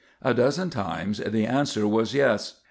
A dozen times the answer was yes.